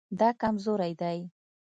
دا کمزوری دی